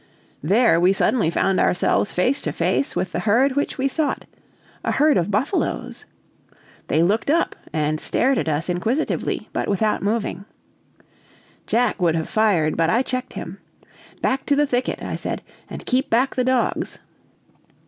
There we suddenly found ourselves face to face with the herd which we sought a herd of buffaloes. They looked up and stared at us inquisitively, but without moving. Jack would have fired, but I checked him. "Back to the thicket," I said, "and keep back the dogs!"